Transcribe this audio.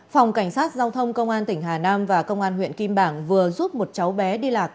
phòng cảnh sát giao thông công an tỉnh hà nam và công an huyện kim bảng vừa giúp một cháu bé đi lạc